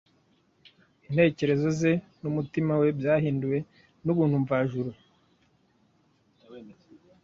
Intekerezo ze n’umutima we byahinduwe n’ubuntu mvajuru